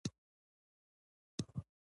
حیوانات پټیدل زده کوي